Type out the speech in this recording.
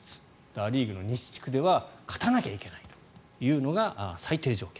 ア・リーグの西地区では勝たないといけないというのが最低条件。